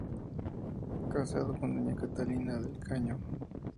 Casado con doña Catalina del Caño.